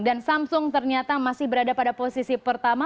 dan samsung ternyata masih berada pada posisi pertama